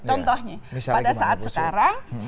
contohnya pada saat sekarang